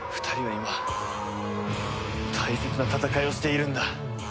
２人は今大切な戦いをしているんだ。